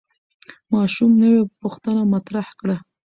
ماشوم نوې پوښتنه مطرح کړه